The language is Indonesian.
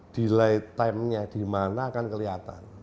delay timenya dimana akan kelihatan